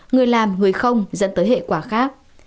người làm người không dẫn tới hệ quả khác